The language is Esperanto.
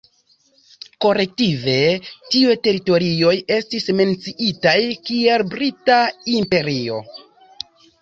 Kolektive, tiuj teritorioj estis menciitaj kiel Brita imperio.